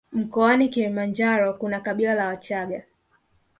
Mkoani Kilimanjaro kuna kabila la wachaga